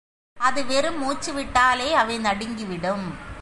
அது வெறும் மூச்சுவிட்டாலே அவை நடுங்கிவிடும்.